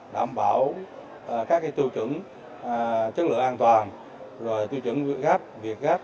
đảm bảo các cái tiêu chuẩn chất lượng an toàn rồi tiêu chuẩn việc gáp việc gáp